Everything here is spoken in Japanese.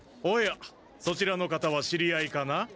おやそちらの方は知り合いかな？